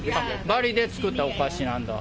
バリで作ったお菓子なんだ。